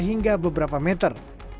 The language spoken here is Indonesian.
hingga beberapa meter